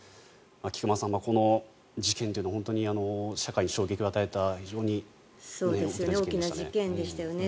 菊間さん、この事件というのは本当に社会に衝撃を与えた非常に大きな事件でしたね。